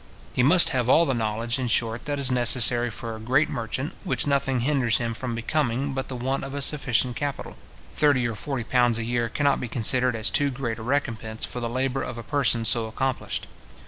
He must have all the knowledge, in short, that is necessary for a great merchant, which nothing hinders him from becoming but the want of a sufficient capital. Thirty or forty pounds a year cannot be considered as too great a recompence for the labour of a person so accomplished.